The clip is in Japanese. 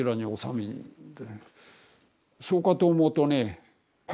そうかと思うとね